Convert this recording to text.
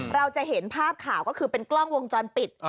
เราจะเห็นภาพข่าวก็คือเป็นกล้องวงจรปิด